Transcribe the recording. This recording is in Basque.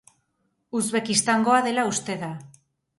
Uzbekistangoa dela uste da.